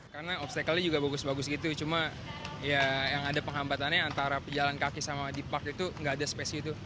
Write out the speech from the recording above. karena obstacle nya juga bagus bagus gitu cuma ya yang ada penghambatannya antara pejalan kaki sama di park itu nggak ada spesi itu